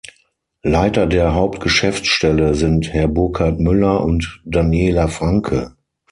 Leiter der Hauptgeschäftsstelle sind Herr Burkhard Müller und Daniela Franke.